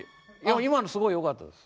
今のすごいよかったです。